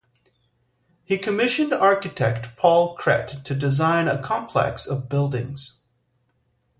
He commissioned architect Paul Cret to design a complex of buildings.